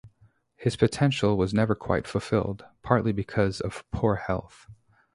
His potential was never quite fulfilled, partly because of poor health.